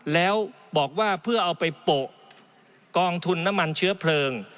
แล้วบอกว่าเพื่อเอาไปโปะกองทุนน้ำมันเชื้อเพลิง